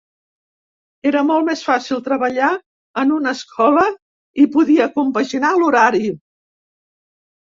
Era molt més fàcil treballar en una escola i podia compaginar l’horari.